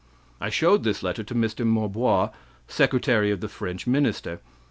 "I showed this letter to Mr. Morbois, secretary of the French minister.